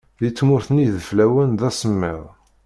Di tmurt n yideflawen d asemmiḍ.